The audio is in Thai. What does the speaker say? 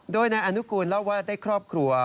โดยนายอนุกูลเล่าว่าได้ครอบครัว